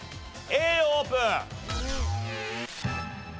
Ａオープン！